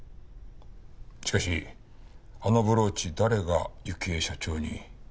しかしあのブローチ誰が幸恵社長に？